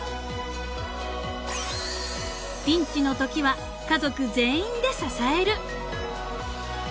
［ピンチのときは家族全員で支える］